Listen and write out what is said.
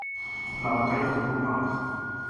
La batalla duró una hora.